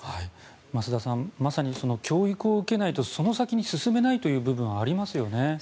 増田さん、まさに教育を受けないとその先に進めないという部分ありますよね。